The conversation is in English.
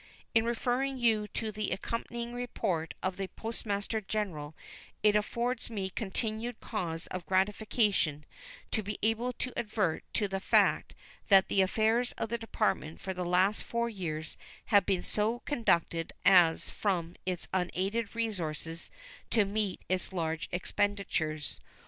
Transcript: In referring you to the accompanying report of the Postmaster General it affords me continued cause of gratification to be able to advert to the fact that the affairs of the Department for the last four years have been so conducted as from its unaided resources to meet its large expenditures.